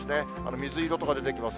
水色とか出てきます。